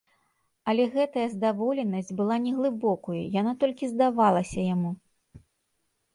Але гэтая здаволенасць была неглыбокаю, яна толькі здавалася яму.